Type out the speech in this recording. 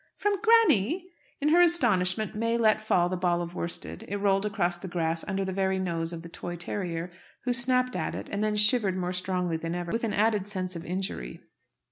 "From granny?" In her astonishment May let fall the ball of worsted. It rolled across the grass under the very nose of the toy terrier, who snapped at it, and then shivered more strongly than ever with an added sense of injury.